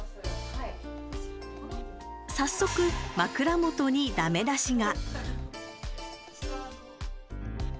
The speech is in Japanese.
早速、枕元にダメ出しが。